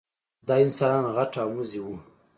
دا انسانان غټ او مزي وو.